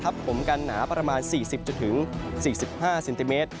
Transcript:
ผมกันหนาประมาณ๔๐๔๕เซนติเมตร